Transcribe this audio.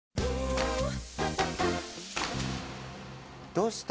どうした？